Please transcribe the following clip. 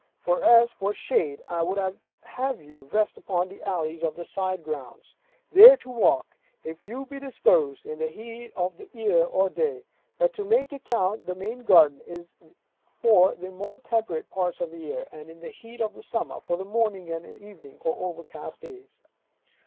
For as for shade, I would have you rest upon the alleys of the side grounds, there to walk, if you be disposed, in the heat of the year or day; but to make account, that the main garden is for the more temperate parts of the year; and in the heat of summer, for the morning and the evening, or overcast days.